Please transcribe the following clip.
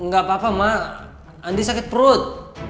gak apa apa emak andi sakit perut